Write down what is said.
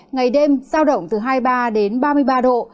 ngày đêm giao động từ hai mươi ba đến ba mươi ba độ